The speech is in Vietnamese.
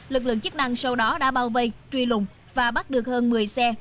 lực lượng chức năng sau đó đã bao vây truy lùng và bắt được hơn một mươi xe